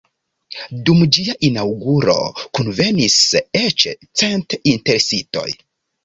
Dum ĝia inaŭguro kunvenis eĉ cent interesitoj.